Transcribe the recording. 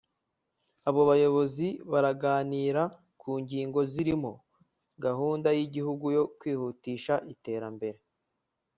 Aba bayobozi baraganira ku ngingo zirimo gahunda y’igihugu yo kwihutisha iterambere